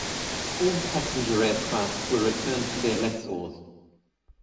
All passenger aircraft were returned to their lessors.